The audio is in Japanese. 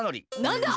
なんだ！？